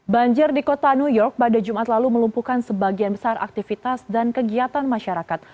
banjir di kota new york pada jumat lalu melumpuhkan sebagian besar aktivitas dan kegiatan masyarakat